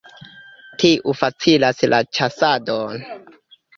Tiu facilas la ĉasadon.